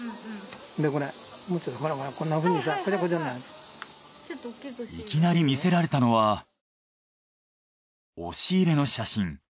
でこれほらほら。いきなり見せられたのは押し入れの写真。